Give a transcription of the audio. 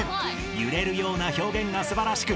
［揺れるような表現が素晴らしく